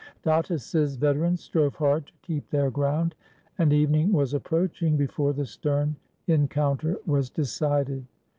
Datis's veterans strove hard to keep their ground, and evening was ap proaching before the stem encounter was decided.